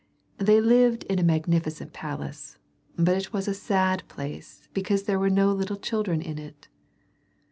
They lived in a magnificent palace, but it was a sad place because there were no little children in it.